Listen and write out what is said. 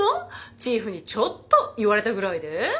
チーフにちょっと言われたぐらいで？